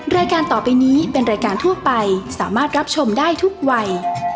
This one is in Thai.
รายการต่อไปนี้เป็นรายการทั่วไปสามารถรับชมได้ทุกวัย